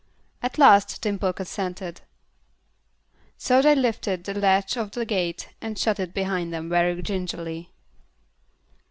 At last Dimple consented. So they lifted the latch of the gate and shut it behind them very gingerly.